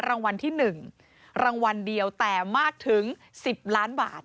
รางวัลที่๑รางวัลเดียวแต่มากถึง๑๐ล้านบาท